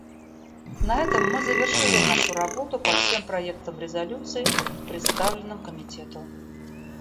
На этом мы завершили нашу работу по всем проектам резолюций, представленным Комитету.